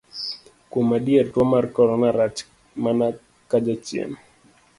Kuom adier, tuo mar korona rach mana ka jachien.